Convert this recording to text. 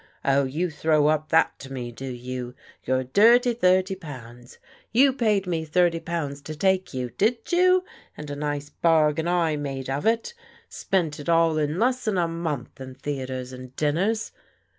Oh, you throw up that to me, do you ?— ^your dirty thirty pounds. You paid me thirty pounds to take you, did you? And a nice bargain I made of it Spent it all in less than a month in the atres and dinners.